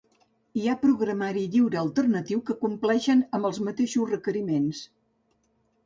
Hi ha programari lliure alternatiu que compleixen amb els mateixos requeriments.